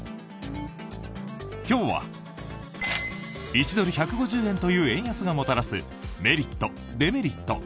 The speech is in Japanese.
今日は１ドル＝１５０円という円安がもたらすメリット、デメリット。